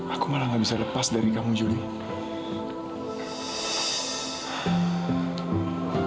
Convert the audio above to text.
aku malah gak bisa lepas dari kamu juni